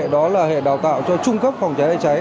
đó là hệ đào tạo cho trung cấp phòng cháy cháy